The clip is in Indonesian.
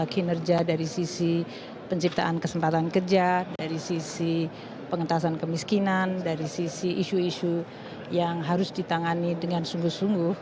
kinerja dari sisi penciptaan kesempatan kerja dari sisi pengentasan kemiskinan dari sisi isu isu yang harus ditangani dengan sungguh sungguh